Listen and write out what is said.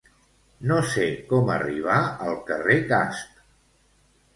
No sé com arribar al carrer Casp.